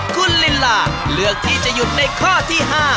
คุณลินลาเลือกที่จะหยุดในข้อที่๕